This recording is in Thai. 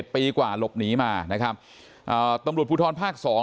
ปีกว่าหลบหนีมานะครับตำรวจภูทรภาค๒